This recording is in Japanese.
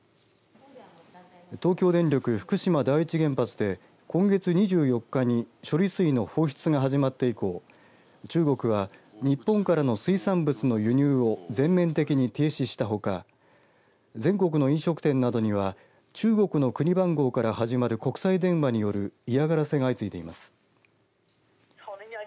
東京電力福島第一原発で今月２４日に処理水の放出が始まって以降中国は日本からの水産物の輸入を全面的に停止したほか全国の飲食店などには中国の国番号から始まる国際電話による嫌がらせが相次いでいます。